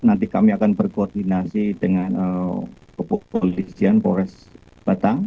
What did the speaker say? nanti kami akan berkoordinasi dengan kepolisian polres batang